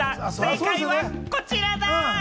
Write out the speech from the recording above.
正解はこちらだ！